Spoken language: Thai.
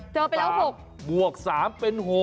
เจอไปแล้ว๖บวก๓เป็น๖